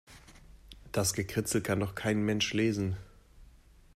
Das Gekritzel kann doch kein Mensch lesen.